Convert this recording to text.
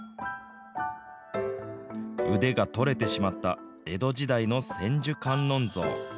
腕が取れてしまった江戸時代の千手観音像。